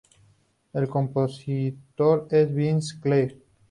El compositor es Vince Clarke.